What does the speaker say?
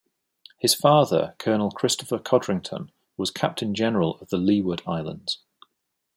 His father, Colonel Christopher Codrington, was captain-general of the Leeward Islands.